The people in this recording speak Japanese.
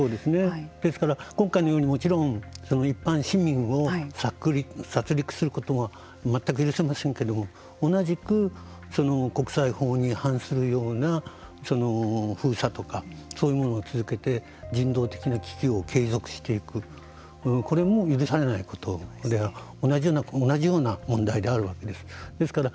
ですから、今回のようにもちろん一般市民を殺りくすることは全く許せませんけれども同じく国際法に反するような封鎖とかそういうものを続けて人道的な危機を継続していくこれも許されないということで同じような問題であるわけですから。